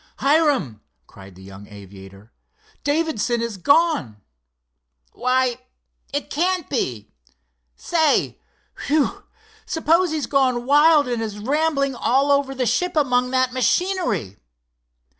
"Hiram," cried the young aviator, "Davidson is gone!" "Why, it can't be! Say—whew! suppose he's gone wild, and is rambling all over the ship among that machinery!"